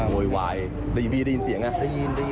ได้ยินเสียงไง